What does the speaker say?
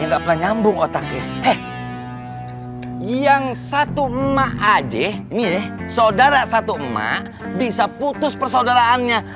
nggak pernah nyambung otaknya yang satu emak adik ini saudara satu emak bisa putus persaudaraannya